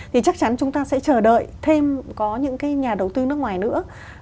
thì chắc chắn chúng ta sẽ chờ đợi thêm có những cái nhà đầu tư nước ngoài nữa